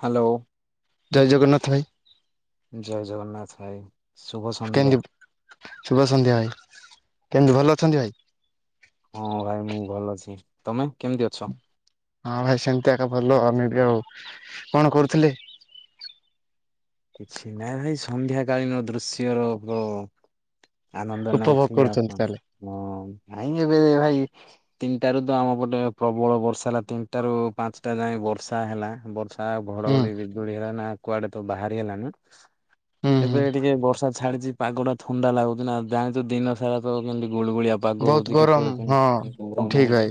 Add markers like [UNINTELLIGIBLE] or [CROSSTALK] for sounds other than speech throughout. Hello. ଜୟ ଜଗନ୍ନାଥ ଭାଇ। ଜୟ ଜଗନ୍ନାଥ ଭାଇ। ଶୁଭ ସନ୍ଧ୍ୟା କେମିତି ଶୁଭ ସନ୍ଧ୍ୟା ଭାଇ କେମିତି ଭଲ ଅଛନ୍ତି ଭାଇ? ହଁ ଭାଇ ମୁଁ ଭଲ ଅଛି ତମେ? କେମିତି ଅଛ? ହଁ ଭାଇ ସେମିତିକା ଭଲ ଆମେ ବି ଆଉ। କଣ କରୁଥିଲେ? କିଛି ନାଇଁ ଭାଇ ସନ୍ଧ୍ୟାକାଳୀନ ଦୃଶ୍ୟର [INAUDIBLE] ଆନନ୍ଦ ଉପଭୋଗ ନେଉଥିଲି ଆଉ କରୁଛନ୍ତି କଣ, ତାହେଲେ ମୁଁ ନାଇଁ ଏବେ ଭାଇ ତିନିଟାରୁ ତ ଆମ ପଟେ ପ୍ରବଳ ବର୍ଷା ହେଲା ତିନିଟାରୁ ପାଞ୍ଚଟା ଯାଏ ବର୍ଷା ହେଲା ବର୍ଷ୍ ଆ-ଆ ହୁଁ ଘଡଘଡି ବିଜୁଳି ହେଲା ନା କୁଆଡେ ତ ବାହାରି ହେଲା ନା ହୁଁ ହୁଁ ଏବେ ଟିକେ ବର୍ଷା ଛାଡିଛି ପାଗଟା ଥଣ୍ଡା ଲାଗୁଛିନା ଜାଣିଛୁ ଦିନ ସାରା ତ କେମିତି ଗୁଳୁଗୁଳିଆ ପାଗ ବହୁତ ହଉଛି ଗରମ କେତେବେଳେ ହଁ କେମିତି ଗରମ ଠିକ ହଉଛି ଭାଇ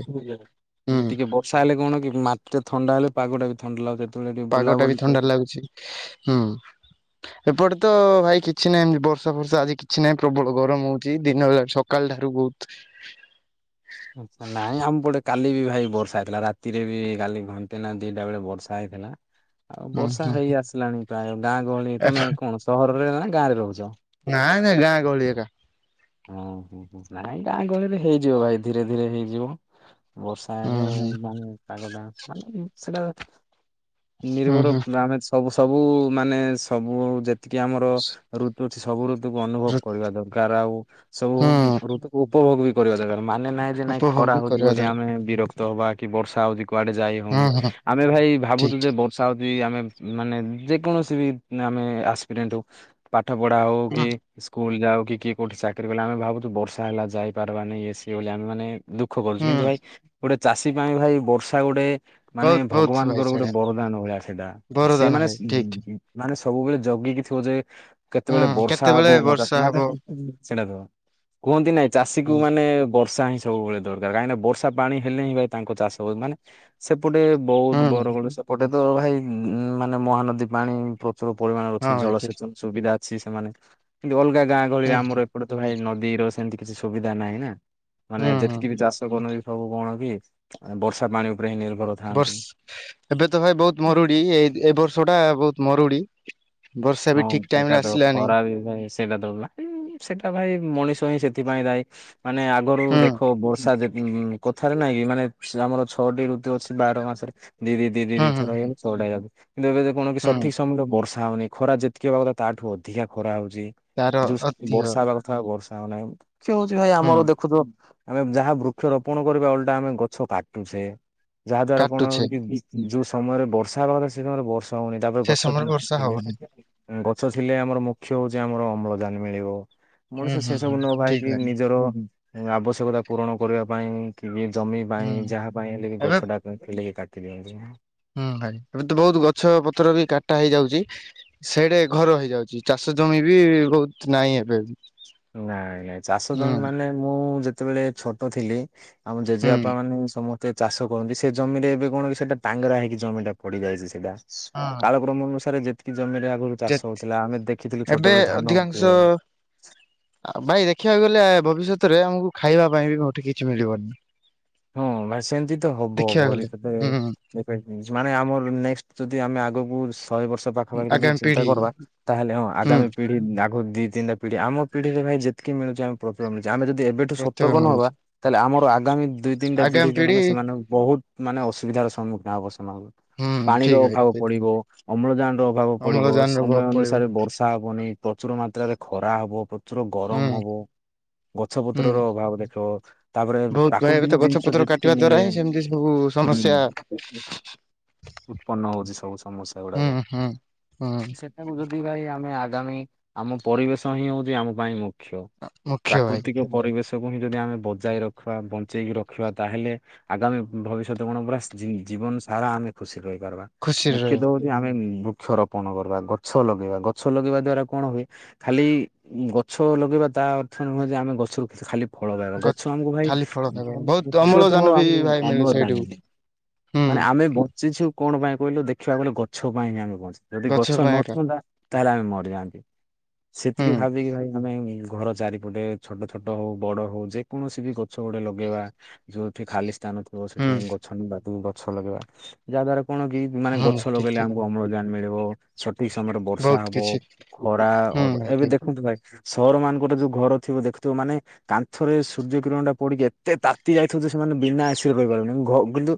ହୁଁ [INAUDIBLE] ଟିକେ ବର୍ଷା ହେଲେ କଣ କି ମାଟିଟା ଥଣ୍ଡା ହେଲେ ପାଗଟା ବି ଥଣ୍ଡା ଲାଗୁଛି। ଯେତେବେଳେ ଟିକେ ପାଗଟା ବୁଲାବୁଲି ବି ଥଣ୍ଡା ଲାଗୁଛି, ହୁଁ। ଏପଟେ ତ ଭାଇ କିଛି ନାହିଁ ଏମତି ବର୍ଷାଫର୍ଷା ଆଜି କିଛି ନାହିଁ ପ୍ରବଳ ଗରମ ହଉଛି ଦିନବେଲା ସକାଳଠାରୁ। ବହୁତ୍ ଆଛା ନାଇଁ, ଆମ ପଟେ କାଲି ବି ଭାଇ ବର୍ଷା ହେଇଥିଲା ରାତିରେ ବି କାଲି ଘଣ୍ଟେ ନା ଦିଟା ବେଳେ ବର୍ଷା ହେ ହେଲା। ଆଉ ହୁଁ ବର୍ଷା ହୁଁ ହେଇ ଆସିଲାଣି ପ୍ରାୟ ଗାଁ ଗହଳି ତମେ କଣ ସହରରେ ନା ଗାଁରେ ରହୁଛ? ନାଇଁ ନାଇଁ ଗାଁ ଗହଳି ଏକା ହଁ ହୁଁ ହୁଁ, ନାଇଁ ଗାଁଆ ଗହଳିରେ ହେଇଯିବ ଭାଇ ଧୀରେ ଧୀରେ ହେଇଯିବ। ବର୍ଷା ହୁଁ ହେଲେ ହୁଁ ମାନେ ପାଗଟା [INAUDIBLE] ସେଟା ନିର୍ଭର ହୁଁ ଆମେ ସବୁ ସବୁ ମାନେ ସବୁ ଯେତିକି ଆମର ଋ [INAUDIBLE] ସବୁ ଋତୁକୁ ଅନୁଭବ ହୁଁ କରିବା ଦରକାର ଆଉ ସବୁ ହୁଁ ଋତୁକୁ ଉପଭୋଗ ବି କରିବା ଦରକାର। ମାନେ ନାଇଁ ଯେ ନାଇଁ ଉପଭୋଗ ଖରା ହଉଛି କରିବା ବୋଲି ଦରକାର ଆମେ ବିରକ୍ତ ହବା କି ବର୍ଷା ହଉଛି କୁଆଡେ ଯାଇ ହୁଁ ହଉନି ହୁଁ ଆମେ ଭାଇ ଭାବୁଛୁ ଠିକ ଯେ ଠିକ ବର୍ଷା ହଉଛି ଆମେ ମାନେ ଯେକୌଣସି ବି ଆମେ ଆସ୍ପିରିଏଣ୍ଟ୍ ହଉ ପାଠ ପଢ଼ା ହଉ ହୁଁ କି ସ୍କୁଲ୍ ଯାଉ କିଏ କେଉଠି ଚାକିରି କଲେ ଆମେ ଭାବୁଛୁ ବର୍ଷା ହେଲା ଆଉ ଯାଇପାରିବାନି ଏ ସିଏ ବୋଲି ଆମେମାନେ ଦୁଃଖ କରୁଛୁ କିନ୍ତୁ ହୁଁ ଭାଇ ଗୋଟେ ଚାଷୀ ପାଇଁ ଭାଇ ବର୍ଷା ଗୋଟେ ମାନେ ବହୁତ ବହୁତ ଭାଇ ଭଗବାନଙ୍କର ଗୋଟେ ସେଇଟା ବରଦାନ ଭଳିଆ ସେଟା, ସିଏ ବରଦାନ ମାନେସ୍ ଭାଇ ଠିକ ଠିକ। ମାନେସ୍ ସବୁବେଳେ ଜଗିକି ଥିବ ଯେ କେତେବେଳେ ହୁଁ ବର୍ଷା ହବ କେତେବେଳେ ମୋତେ [INAUDIBLE] ବର୍ଷା ହବ ସେଇଟା ତ କୁହନ୍ତି ନାଇଁ ଚାଷୀକୁ ହୁଁ ମାନେ ବର୍ ବର୍ଷା ହିଁ ସବୁବେଳେ ଦରକାର କାହିଁକିନା ବର୍ଷା ପାଣି ହେଲେ ହିଁ ଭାଇ ତାଙ୍କ ଚାଷ ହ ମାନେ ସେ ସେପଟେ ହୁଁ ବହୁତ ହୁଁ ବରଗଡ଼ ସେପଟେ ତ ଭାଇ ମାନେ ମହାନଦୀ ପାଣି ପ୍ର ସବୁ ପରିମାଣରେ ଅଛି ହଁ ଭାଇ ଠିକ ଜଳସେଚନ ସୁବିଧା ଅଛି ସେମାନେ କିନ୍ତୁ ଅଲଗା ଗାଁ ଗହଳିରେ ହୁଁ ହୁଁ ଆମର ଏପଟେ ତ ଭାଇ ନଦୀର ସେମିତି କିଛି ସୁବିଧା ନାହିଁ ନା ମାନେ ହୁଁ ହୁଁ ଯେତିକି ବି ଚାଷ କରୁ [INAUDIBLE] ସବୁ କଣ କି ବର୍ଷା ପାଣି ଉପରେ ହିଁ ନିର୍ଭର ଥାଆନ୍ତି। ବର୍ଷ୍ ଏବେ ତ ଭାଇ ବହୁତ ମରୁଡି ଏ, ଏ ବର୍ଷଟା ବହୁତ ମରୁଡି। ବର୍ଷା ବି ହଁ ଠିକ ଟାଇମ ରେ ସେଟା ତ ଆସିଲାନି ଖରା ବି ଭାଇ ସେଟା [INAUDIBLE] ସେଟା ଭାଇ ମଣିଷ ହିଁ ସେଥିପାଇଁ ଦାୟୀ ମାନେ ଆଗରୁ ହୁଁ ଦେଖ ବର୍ଷା ଯେତ୍ ଉଁ କଥାରେ ନାଇଁ କି ମାନେ ଆମର ଛଅଟି ଋତୁ ଅଛି ବାର ମାସରେ। ହୁଁ ହୁଁ ଦି-ଦି-ଦି-ଦି-ଦିଥର ହୁଁ ହେଇଗଲେ ଛଟା ହେଇଯାଉଛି କିନ୍ତୁ ଏବେ [INAUDIBLE] କି ହୁଁ ସଠିକ ସମୟରେ ବର୍ଷା ହଉନି। ଖରା ଯେତିକି ହବା କଥା ତାଠୁ ଅଧିକା ଖରା ହଉଛି ତାର ଯୋଉ ସ ଅଧିକ ବର୍ଷା ହେବା କଥା ବର୍ଷା ହଉନାହିଁ। ସେ ହଉଛି ଭାଇ ହୁଁ ଆମର ଦେଖୁଥିବ ଆମେ ଯାହା ବୃକ୍ଷ ରୋପଣ କରିବା ଓଲଟା ଆମେ ଗଛ କାଟୁଚେ। ଯାହା ଦ୍ଵାରା କଣ କାଟୁଛେ ହଉ କି ଯୋଉ ସମୟରେ ବର୍ଷା ହେବା କଥା ସେ ସମୟରେ ବର୍ଷ୍ ହଉନି ତାପରେ ସେ ଗଛ ସମୟରେ ବର୍ଷା ହବନି [INAUDIBLE] ଗଛ ଥିଲେ ଆମର ମୁଖ୍ୟ ହଉଛି ଆମର ଅମ୍ଳଜାନ ମିଳିବ। ହୁଁ ମଣିଷ ହୁଁ ସେ ହୁଁ ସବୁ ନ ଠିକ ଭାବିକି ଭାଇ ନିଜର ଆବଶ୍ୟକତା ପୂରଣ କରିବା ପାଇଁ କି ଜମି ପାଇଁ ହୁଁ ଯାହା ପାଇଁ ହେଲେ ବି ଏବେ ଗଛଟା ଥିଲେ କି କାଟି ଦିଅନ୍ତି [INAUDIBLE] ହୁଁ ଭାଇ ଏବେ ତ ବହୁତ ଗଛ ପତ୍ର ବି କାଟା ହେଇଯାଉଚି। ସେଇଡେ ଘର ହେଇଯାଉଚି ଚାଷ ଜମି ବି ବହୁତ ନାହିଁ ଏବେ ବି। ନାଇଁ ନାଇଁ ଚାଷ ଦମ ମାନେ ମୁଁ ଯେତେବେଳେ ଛୋଟ ଥିଲି। ଆମ ହୁଁ ଜେଜେବାପା ମାନେ ସମସ୍ତେ ଏତେ ଚାଷ କରନ୍ତି ସେ ଜମିରେ ଏବେ କଣ କି ସେଟା ଟାଙ୍ଗରା ହେକି ଜମିଟା ପଡିଯାଇଚି ସେଇଟା ହଁ କାଳକ୍ରମ ଅନୁସାରେ ଯେତ ଜମିରେ ଆଗରୁ ଯେ ଚାଷ ହୋଉଥିଲା ଆମେ ଦେଖିଥିଲୁ ଏବେ ଛୋଟବେଳେ ଧାନ ଏବଂ ଆଉ ଭାଇ ଦେଖିବାକୁ ଗଲେ ଭବିଷ୍ୟତରେ ଆମକୁ ଖାଇବା ପାଇଁ ବି ମୁଠି କିଛି ମିଳିବନନି ହଁ ବା ସେମତି ତ ହବ ହୁଁ ଭବିଷ୍ୟତରେ ମାନେ ଆମର ନେକ୍ସଟ ଯଦି ଆମେ ଆଗକୁ ଶହେ ବର୍ଷ ପାଖପାଖି ଯଦି ଆଗାମୀ ଚିନ୍ତା ପିଢି କରଦବା ତାହେଲେ ହଁ ହୁଁ ଆଗାମୀ ପିଢି ଦିଇ ତିିଟାିଢି ଆମ ପିଢିରେ ଭାଇ ଯେଟିକ ମିଳୁଚି ଆମ ଆମେ ଯଦି ଏବେଠୁ ପ୍ରତ୍ୟେକ ସତର୍କ ନହବା ମିଳୁଛି ତାହେଲେ ଆମର ଆଗାମୀ ଦିଇ ତିନିଟା ପିଢି ମମାନେ ସେମାନେଙ୍କୁ ବହୁତ ମାନେ ଅସୁବିଧାର ସମ୍ମୁଖୀନ ହବ ସେମାନଙ୍କଙ୍କୁ ହୁଁ ପାଣିର ଠିକ ଅଭାବ ଅଛି ପଡିବ ଅମ୍ଳଜାନ ଅଭାବ ପଡିବ ଅମ୍ଳଜାନ ର ସମୟ ବହୁତ ପଳିବ ଅନୁସାରେ ବର୍ଷା ହବନି ପ୍ରଚୁର ମାତ୍ରାରେ ଖରା ହବ ତୁର ହୁଁ ଗରମ ହବ ଗଛ ହୁଁ। ପତ୍ରର ଅଭାବ ଦେଖ ତାପରେ ବହୁତ ଭାଇ ଏବେ ତ ପ୍ରାକୃତିକ ଗଛ ଜିନ ପତ୍ର ସୁଦୀପ୍ତି କାଟିବା ଦ୍ଵାରା ମିଲେ ହିଁ ସେମିତି ସବୁ ହୁଁ। ସମସ୍ୟା ଉତ୍ପନ୍ନ ହୋଉଚି ସବୁ ସମସ୍ୟା ହୁଁ ଗୁଡାକ ହୁଁ। ହୁଁ ସେଟାକୁ ଯି ଦି ଭାଇ ଆମେ ଆଗାମୀ ଆମ ପରିବେଶ ହିଁ ହୋଉଚି ଆମ ପାଇଁ ମୁ ମୁଖ୍ୟ ଭାଇ ପ୍ରାକୃତିକ ପରିବେଶକୁ ହିଁ ଯଦି ଆମେ ବଜାଇ ରଖିବା ବଞ୍ଚେଇକି ରଖିବା। ଖଆ ତାହେଲେ ଆଗାମୀ ଭବିଷ୍ୟତ ଗଣ ପୁରା ଜୀ ଜୀବନ ସାରା ଆମେ ଖୁସି ରହିପାରବା ଖୁସିରେ ରହିବ ମୁଖ୍ୟତଃ ହୋଉଚି ଆମେ ବୃକ୍ଷରୋପଣ କରିବା ଗଛ ଲଗେଇବା ଗଛ ଲଗେଇବା ଦ୍ଵାରା କଣ ହୁଏ ଖାଲି ଗଛ ଲଗେଇବା ତା ଅର୍ଥ ନୁହେଁ ଯେ ଆମେ ଗଛରୁ ଖାଲି ଫଳ ପାଇବା ଗ ଗଛ ଆମକୁ ଭାଇ ଖାଲି ଫଳ ଖାଇବ ବହୁତ ଉଷ ତ ଅମ୍ଳଜାନ ବି ଆମେ ଭାଇ ମିଳେ କମ ସେଇଠୁ ନାହି ହୁଁ ମାନେ ଆେ ବଚଛୁ କଣ ପାଇଁ କହିଲୁ ଦେଖିବାକୁଲେ ଗଛ ପାଇଁ ହଁ ଆମେ ବଞ୍ଚିଛେ ଯଦି ଗଛ ପାଇଁ ଏକା ନଥାନ୍ତା ତାହେଲେ ଆମେ ମରିଯାଆନ୍ତି ହୁଁ ସେତିକି ଭାବିକି ଭାଇ ଆମେ ଘର ଚାରିପଟେ ଛୋଟ ଛୋଟ ହୋଉ ବଡ ହୋଉ ଯେକୌଣସି ବି ଗଛ ଗୋଟେ ଲଗେଇବା ଯୋଉଠି ଖାଲି ସ୍ଥାନ ଥିବ ହୁଁ ସେଠି ଗଛବା ଗଛ ଲଗେଇବା ଯାହା ଦ୍ଵାରା କଣ କି ମାନେ ହୁଁ ଗଛ ଠିକ ଲଗେଇଲେ ଠିକ ଆମକୁ ଅମ୍ଳଜାନ ମିଳିବ ଛ ଠିକ ସମୟରେ ବର୍ଷା ବହୁତ ହବ କିଛି ଖରାଳ ହୁଁ ଭାଇ ଏବେ ଠିକ ଦେଖନ୍ତୁ ଭାଇ ସହର ମାନଙ୍କର ଯୋଉ ଘର ଥିବ ଦେଖୁଥିବ ମାନେ କାନ୍ଥରେ ସୂର୍ଯ୍ୟ କିରଣ ଟା ପଡିକି ଏତେ ତାତି ଯାଇଥିବୁ ସେମାନେ ବିନା ଆସୟ କହିପାରିବନ କିନ୍ତୁ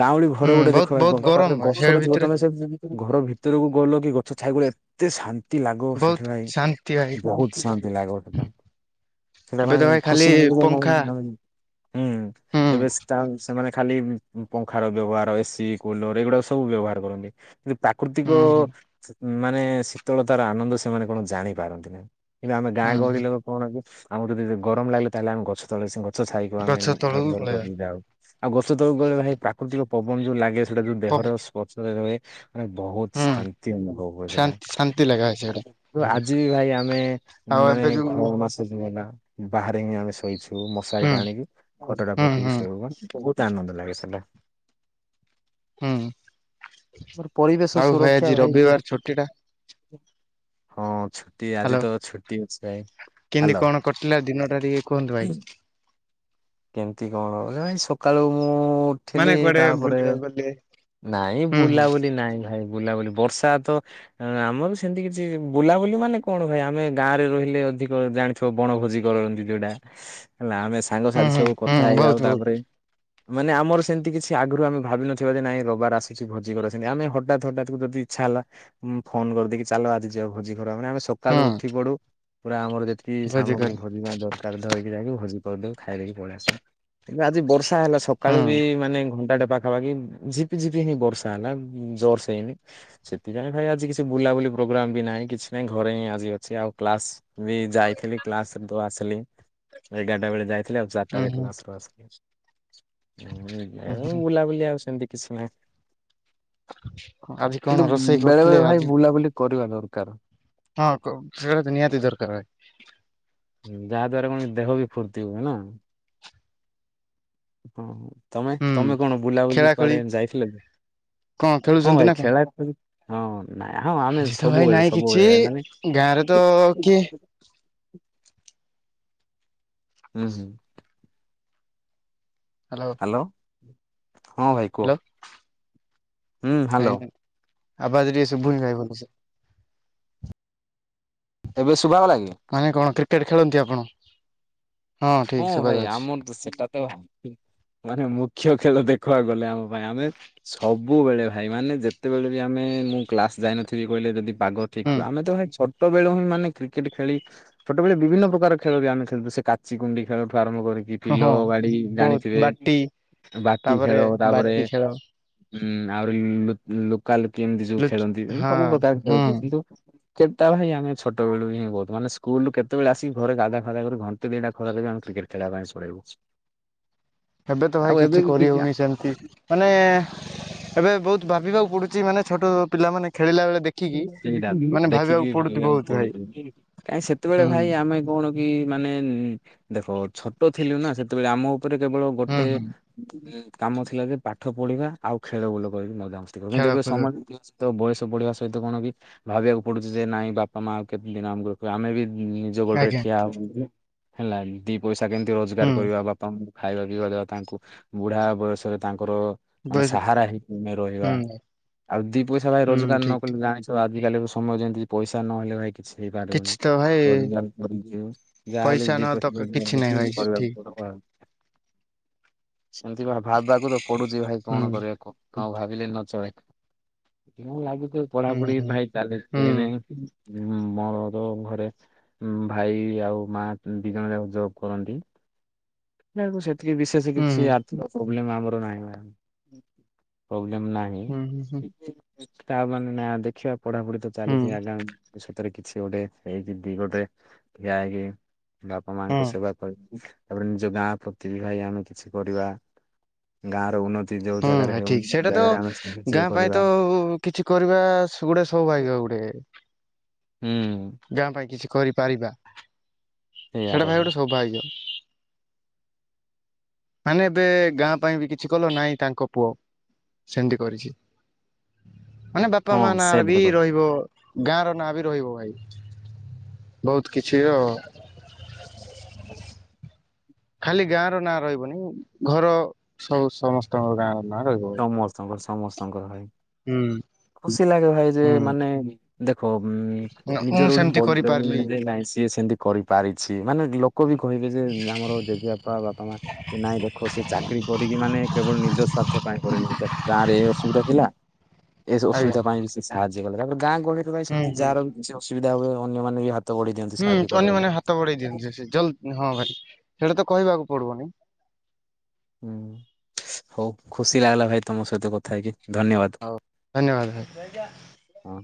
ଗାଉଁଳି ଘର ହୁଁ ଗୋଟେ ଦେଖ ବହୁତ ବହୁତ ପାଖରେ ଗରମ ଭାଇ ସେ ଗଛଟ ଥିବ ଭିତରେ ତମେ ସେଇଠି ଯଦି ଘର ଭିତରକୁ ଗଲ କି ଗଛ ଛାଇକୂଳେ ଏତେ ଶାନ୍ତି ଏତି ଲାଗ ବହୁତ ସେଠପାଇ ଶାନ୍ତି ଭାଇ ବହୁତ ଶାନ୍ତି ଲାଗିବ ସେଟା ସେଟା ଏବେ ତ ପାଇଁ ଭାଇ ଖାଲି ଖୁସି ଲାଇ ପଙ୍ଖା ହୁଁ ହୁଁ ଏବେ ସେଟା ସେମାନେ ଖାଲି ପଙ୍ଖାର ବ୍ୟବହାର ଏସିି କୁଲର ଏଇଗୁଡାକ ସବୁ ବ୍ୟବହାର କରନ୍ତି। କିନ୍ତୁ ହୁଁ ପ୍ରାକୃତିକ ହୁଁ ମାନେ ଶୀତଳତାର ଆନନ୍ଦ ସେମାନେ କଣ ଜାଣିପାରନ୍ତି ନାହିଁ। କିନ୍ତୁ ଆମେ ଗା ହୁଁ ଗହଳି ହୁଁ ଲୋକ କଣ କି ଆମର ଯଦି ଗରମ ଲାଗିଲେ ତାହେଲେ ଆମ ଗଛ ତଳ ଗଛ ଛାଇକୁ ଆମେ ଗଛ ତଳକୁ ନିର୍ଭର କର ପଳେଇବା ଯଉ ଆଉ ଗଛ ତଳକୁ ଗଲେ ଭାଇ ପ୍ରାକୃତିକ ପବନ ଯୋଉ ଲାଗେ ସେଇଟା ଯୋଉ ପ ଦେହର ସ୍ପର୍ଶରେ ରୁହେ ମାନେ ବହୁତ ହୁଁ ଶାନ୍ତି ଅନୁଭବ ହୁ ସେଇଟା ଶାନ୍ତି ଶାନ୍ତି ଲାଗେ ଭାଇ ସେଇଟା ଆଜି ବି ଭାଇ ଆମେ ଆଉ ମାନେ ଏବେ ଯୋଉ ଖ ମାସ ଯ ହେଲା ବାହାରେ ହିଁ ଆମେ ଶୋଇଛୁ ମଶାର ହୁଁ ଟା ଆଣିକି ପଟଟା ହୁଁ ପକି ହୁଁ ସବୁ କ ବହୁତେ ଆନନ୍ଦ ଲାଗେ ସେଟା। ହୁଁ ମୋର ପରିବେଶ ଆଉ ସୁରକ୍ଷା ଆଜି ଭାଇ ରବିବାର ଛୁଟି ଟା [UNINTELLIGIBLE] ହଁ ଛୁଟି ଆଜି ହ୍ୟାଲୋ ତ ଛୁଟି ଅଛି ଭାଇ। କେମିତି ହାଲୋ। କଣ କଟିଲା ଦିନଟା ଟିକିଏ କୁହନ୍ତୁ ଭାଇ? କେମିତି କଣ ଭାଇ ସକାଳୁ ମୁଁ ମୁଁ ଉଠଥିଲି ମାନେ କୁଆଡେ ତାପରେ ବୁଲିବାକୁ ଗଲେ ନାଇଁ ହୁଁ ହୁଁ ବୁଲାବୁଲି ନାଇଁ ଭାଇ। ବୁଲାବୁଲି ବର୍ଷା ତ ଆମର ସେମିତି କିଛି ବୁଲାବୁଲି ମାନେ କଣ ଭାଇ ଆମେ ଗାଁରେ ରହିଲେ ଅଧିକ ଜାଣିଥିବ ବଣ ଭୋଜି କରନ୍ତି ଯୋଉଟା ହେଲା ଆମେ ହୁଁ ସାଙ୍ଗସାଥି ହୁଁ ସବୁ କଥା ହୁଁ ହେଇଯାଉ ବହୁତ ବହୁତ ତାପରେ ମାନେ ଆମର ସେମତି କିଛି ଆଗରୁ ଆମେ ଭାବିନ ନଥିବା ଯେ ନାଇଁ ରବାର ଆସୁଛି ଭୋଜି କର ସେମ ଆମେ ହଠାତ ହଠାତ୍ ଯଦି ଇଛା ଦ ହେଲା ମୁ ଫୋନ କରିଦେଇକି ଚାଲ ଆଜି ଯିବା ଭୋଜି ପୁରା ମାନେ ମାନେ ଆମେ ସକାଳୁ ଉଠି ହୁଁ ପଡୁ ପୁରା ଆମର ଯେତିକି ଭୋଜି ସାମଗ୍ରୀ କରି ଭୋଜିିପାଇଁ ଦରକାର ଧରିକି ଯାଇକି ଭୋଜି କରିଦଉ ଖାଇଦକି ପଳେଇ ଆସିବୁ କିନ୍ତୁ ଆଜି ବର୍ଷା ହେଲା ସକାଳୁ ହୁଁ ବି ମାନେ ଘଣ୍ଟାଟେ ପାଖାପାଖି ଝିପି ଝିପି ହିଁ ବର୍ଷା ହେଲା ଜୋରସେ ହେଇନି ସେଥିପାଇଁ ଭାଇ ଆଜି କିଛି ବୁଲାବୁଲି ପ୍ରୋଗ୍ରାମ ବି ନାହିଁ କିଛି ନାଇଁ ଘରେ ହିଁ ଆଜି ଅଛି ଆଉ କ୍ଲାସ ବି ଯାଇଥିଲି କ୍ଲାସ ତ ଆସିଲି ଏଗାରଟା ବେଳେ ଯାଇଥିଲି ଆଉ ହୁଁ ଚାରିଟା ରେ ହୁଁ କ୍ଲାସରୁ ଆସିଲି। ହୁଁ ବୁଲାବୁଲି ଆଉ ସେ ଏମତି କିଛି ନାହିଁ। ହୁଁ ଆଜି କଣ କିନ୍ତୁ ରୋଷେଇ ବେଳେ କରିଥିଲେ ବେଳେ ଭାଇ ଆଜି ବୁଲାବୁଲି କରିବା ଦରକାର? ହଁ ସେ ତ ନିହାତି ଦରକାର। ଯାହା ଦ୍ଵାରା କଣକି ଦେହ ବି ଫୁର୍ତ୍ତି ହୁଏ ନା। ହଁ ତମେ ତମେ ହୁଁ କଣ ବୁଲାବୁଲି ଖେଳା ଖେଳି କୁଆଡେ ଯାଇଥିଲକି କଣ ହଁ ଖେଳୁଛନ୍ତି ନା ଭାଇ କଣ ଖେଳା ହଁ ନାଇଁ ହଁ ଆମେ ସବୁବେଳେ ସବୁବେଳେ ମାନେ ଆରେ ତ ହୁଁ କିଏ ହୁଁ ହୁଁ। Hello hello? ହଁ ଭାଇ କୁହ। ହ୍ୟାଲୋ ହୁଁ ହାଲୋ। ଭାଇ ଆବାଜ ଟିକେ ସୁଭୁନି ଭାଇ ଭଲସେ। ଏବେ ଶୁଭାଗଲା କି? କ୍ରିକେଟ୍ ଖେଳନ୍ତି ଆପଣ? ହଁ ଠିକ ଶୁଭା ଭାଇ ଯାଉଛି ଆମର ତ ସେଟା ତ ମାନେ ମୁଖ୍ୟ ଖେଳ ଦେଖ ଦେଖିବାକୁ ଗଲେ ଆମ ପାଇଁ ଆମେ ସବୁବେଳେ ଭାଇ ମାନେ ଯେତେବେଳେ ବି ଆମେ ମୁଁ କ୍ଲାସ ଯାଇନଥିବି କହିଲେ ଯଦି ପାଗ ହୁଁ ଠିକ୍ଥିବ ଆମେ ତ ଭାଇ ଛ ଛୋଟ ବେଳୁହିଁ ମାନେ କ୍ରିକେଟ ଖେଳି ଛୋଟ ବେଳେ ବିଭିନ୍ନ ପ୍ରକାର ଖେଳ ବି ଆମେ ଖେଳୁ ସେ କାଚିକୁଣ୍ଡି ଖେଳ ଆରମ୍ଭ କରିକି ହଁ ବିଲ ହଁ ବାଡି ବହୁତ ଜାଣିଥିବେ ବାଟି ବାଟି ତାପରେ ଖେଳ ତାପରେ ବାଟି ଖେଳ ହୁଁ ଆହୁରି ଲୋକାଲ କି ଏମିତି ଯୋଉ ଲୁଚ ଖେଳନ୍ତି ହଁ ସବୁ ପ୍ରକାର ହୁଁ ଖେଳ କେତେଟା ଭାଇ ଆମେ ଛୋଟବେଳୁ ହିଁ ବହୁତ ମାନେ ସ୍କୁଲରୁୁ କେତେବେଳେ ଆସିକି ଘରେ ଗାଧା ଫାଦା କରି ଘ ତା ଦିହଟା ଖରାପ ହେଇଗଲା ଆମେ କ୍ରିକେଟ୍ ଖେଳିବା ପାଇଁସ ପଳେଇବୁ। ଏବେ ତ ଆଉ ଭାଇ ଏବେ କିଛି ବି ସେଇଟା କରିହଉନି ସେମତି ମାନେ ଏବେ ବହୁତ ଭାବିବାକୁ ପଡ଼ୁଛି ମାନେ ଛୋଟ ପିଲାମାନେ ଖେଳିଲା ବେଳେ ଦେଖିକି ସେଟା ମାନେ ଭାବିବାକୁ ଦେଖିକି ପଡୁଛି ବହୁତ ଭୁଲିବାକୁୁ ଭାଇ ପଡ଼ୁଚି କାଇଁ ସେତେବେଳେ ହୁଁ ଭାଇ ଆମେ କଣ କି? ମାନେ ଦେଖ ଛୋଟ ଥିଲୁ ନା ସେତେବେଳେ ଆମ ଉପରେ କେବଳ ହୁଁ ଗୋଟେ ହୁଁ କାମ ଥିଲା ଯେ ପାଠ ପଢିବା ଆଉ ଖେଳ ବୁଲ କରିକି ମଜାମସ୍ତି କର କିନ୍ତୁ ଖେଳକୁଦ ସମା ବୟସ ବଢିବା ସହିତ କଣ କି ଭାବିବାକୁ ପଡୁଛି ଯେ ନାଇଁ ବାପା ମାଆ ଆଉ କେତେ ଦିନ ଆମକୁ ଆମେ ବି ନିଜ ଗୋଡରେ ଆଜ୍ଞା ଠିଆ ହବୁ ହେଲା ଦି ପଇସା କେମିତି ରୋଜଗାର ହୁଁ କରିବା ବାପା ଖାଇବା ପିଇବା ଦବା ତାଙ୍କୁ ବୁଢା ବୟସରେ ତାଙ୍କୁ ର ମାନେ ବୟସ ସାହାରା ହେଇକି ଆମେ ରହିବା ହୁଁ ଆଉ ଦି ପଇସା ଭାଇ ହୁଁ ରୋଜଗାର ନ ଠିକ କଲେ ଠିକ ଜାଣିଛ ଆଜିକାଲି ସମୟ ଯେମିତି ପଇସା ନହେଲେ ଭାଇ କିଛି କିଛି ହେଇପାରିବନି। ତ ଭାଇ ରୋଜଗାର କରଛି ଯାହାହଲେ ବି ଦି ନହ ପଇସା ତ କ- କିଛି ନାହିଁ ଭାଇ ଠିକ। ରୋଜଗାର ସେମିତି ଭାବିବାକୁ ତ ପଡୁଛି ଭାଇ ହୁଁ କଣ କରିବା କୁହ? ହଁ ଭାବିଲେ ନ ଚଳେ ଲାଗୁଛି ହୁଁ ପଢାପଢି ହୁଁ ଭାଇ ଚାଲେ ହୁଁ ମୋର ତ ଘରେ ଭାଇ ଆଉ ମା ଦି ଜଣ ଯାକ ଜବ୍ କରନ୍ତି। ଦେଖିଲା ବେଳକୁ ସେତିକି ବିଶେଷ ହୁଁ କିଛି ଆର୍ଥିକ ପ୍ରୋବ୍ଲେମ ଆମର ନାହିଁ। ନାହିଁ ହୁଁ ହୁଁ ହୁଁ ତା ମାନେ ନା ଦେଖିବା ପଢାପଢି ତ ହୁଁ ଚାଲିଛି ଆଜ୍ଞା ସେଥେରେ କିଛି ଗୋଟେ ହେଇ ଦି ଗୋଟେ ବାପା ମାଙ୍କ ହଁ। ସେବା କରିି ଉଁ ତାପରେ ଉଁ ଯୋଉ ଗାଁ ପ୍ରତି ବି ଭାଇ ଆମେ କିଛି କରିବା ଗାଁ ର ଉନ୍ନତି ଯୋଉ ହୁଁ ଜାଗାରେ ଭାଇ ହେଉନି ଠିକ୍ ସେ ସେଇଟା ତ ଜାଗାରେ ଆମେ ସାହାଯ୍ୟ ଗାଁ ପାଇଁ କରିବା। ତ କିଛି କରିବା ସେଗୁଟେ ସୌଭାଗ୍ୟ ଗୁଟେ ହୁଁ। ହୁଁ। କରିପାରିବା ସେଇଆ ସେଇଟା ତ ଭାଇ ଗୋଟେ ସୌଭାଗ୍ୟ। ମାନେ ଏବେ ଗାଁ ପାଇଁ ବି କିଛି କଲ ନାଇଁ ତାଙ୍କ ପୁଅ ସେମିତି କରିଛି ମାନେ ବାପା ହଁ ମା ନାଁରେ ବି ସେଇଟା ତ ରହିବ ଗାଁ ର ନାଁ ବି ରହିବ ଭାଇ। ବୋହୁତ କିଛି ର [INAUDIBLE] ଖାଲି ଗାଁ ର ନାଁ ରହିବନି ଘର ସ-ସମସ୍ତଙ୍କ ଗାଁ ର ନାଁ ରହିବ ଭାଇ। ସମସ୍ତଙ୍କ ସମସ୍ତଙ୍କର ଭାଇ ହୁଁ। ଖୁସି ଲାଗେ ଭାଇ ଯେ ହୁଁ। ମାନେ ଦେଖ ଉଁ ମୁଁ ନିଜର ସେମିତି ଗୋଟେ ବ କରିପାରିଲି ବ ନାଇଁ ସେ ସିଏ ସେମିତି କରିପାରିଛି ମାନେ ଲୋ ଲୋକ ବି କହିବେ ଯେ ଆମର ଦେବୀ ବାପା ବାପା ମା ନାଇଁ ଦେଖ ସେ ଚାକିରି କରିକି ମାନେ କେବଳ ନିଜ ସ୍ୱା ର୍ଥ କରିବ ଗାଁ ରେ ଏ ଅସୁବିଧା ଥିଲା ଏ ଆଜ୍ଞା। ଅସୁବିଧା ପାଇଁ ବି ସେ ସାହାଯ୍ୟ କଲା ତାପରେ ଗାଁ ଗହଳିରେ ଭାଇ ହୁଁ ସେମିତି ହୁଁ। ଯାହାର ବି କିଛି ଅସୁବିଧା ହୁଏ ଅନ୍ୟମାନେ ବି ହା ହୁଁ ଅନ୍ୟମାନେ ହାତ ବଢେଇ ଦିଅନ୍ତି। ଜ-ଜଲ ହଁ ଭାରି ସେଇଟା ତ କହିବାକୁ ଗୁଡ୍ ମର୍ଣ୍ଣିଙ୍ଗ। ହୁଁ ହୋଉ ଖୁସି ଲାଗିଲା ଭାଇ ତମ ସହିତ କଥା ହେଇକି ଧନ୍ୟବାଦ ଆଉ ଧନ୍ୟବାଦ ଭାଇ। ହଁ।